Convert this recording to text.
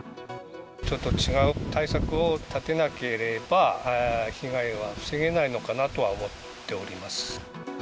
ちょっと違う対策を立てなければ、被害は防げないのかなとは思っております。